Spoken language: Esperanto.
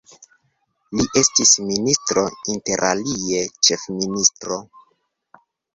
Li estis ministro, interalie ĉefministro.